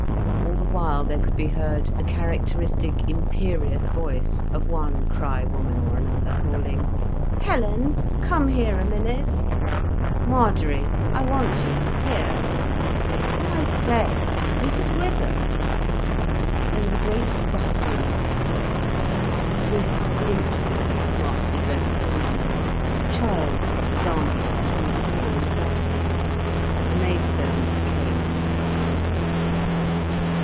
All the while there could be heard the characteristic, imperious voice of one Crich woman or another calling "Helen, come here a minute," "Marjory, I want you—here." "Oh, I say, Mrs Witham—." There was a great rustling of skirts, swift glimpses of smartly dressed women, a child danced through the hall and back again, a maidservant came and went hurriedly.